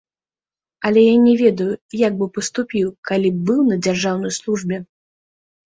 Але я не ведаю, як бы паступіў, калі б быў на дзяржаўнай службе.